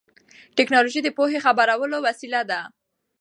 ټیکنالوژي د پوهې خپرولو وسیله ده.